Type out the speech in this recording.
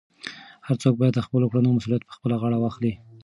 هر څوک باید د خپلو کړنو مسؤلیت په خپله غاړه واخلي.